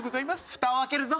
フタを開けるぞ！